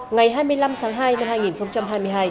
ngày hai mươi năm tháng hai năm hai nghìn hai mươi hai